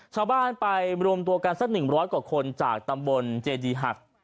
ชาวบ้านไปรวมตัวกันสัก๑๐๐กว่าคนจากตำบลเจดีหัก